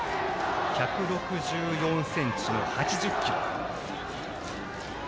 １６４ｃｍの８０ｋｇ。